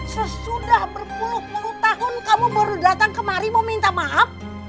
sesudah berpuluh puluh tahun kamu baru datang kemari mau minta maaf